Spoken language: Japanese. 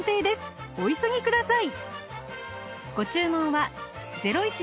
お急ぎください